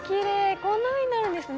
こんなふうになるんですね